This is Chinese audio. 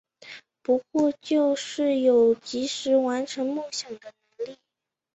不过就是有及时完成梦想的能力